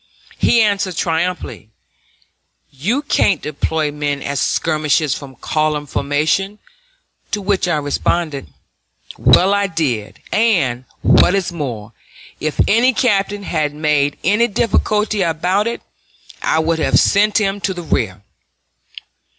He answered triumphantly, "You can't deploy men as skirmishers from column formation"; to which I responded, "Well, I did, and, what is more, if any captain had made any difficulty about it, I would have sent him to the rear."